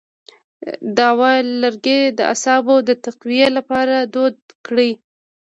د عود لرګی د اعصابو د تقویت لپاره دود کړئ